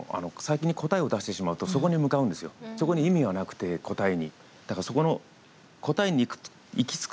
そこに意味はなくて答えに。